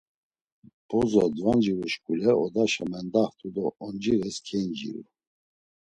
Bozo danciruşkule odaşa kamaxtu do oncires keinciru.